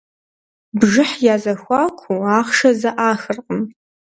Бжыхь я зэхуакуу ахъшэ зэӏахыркъым.